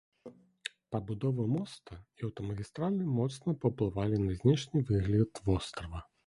Пабудова моста і аўтамагістралі моцна паўплывалі на знешні выгляд вострава.